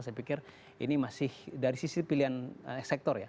saya pikir ini masih dari sisi pilihan sektor ya